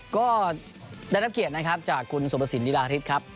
ก็ได้รับเกียรตินะครับจากคุณสุภสินวิราฤทธิ์ครับ